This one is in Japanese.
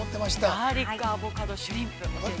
◆ガーリックアボカドシュリンプ。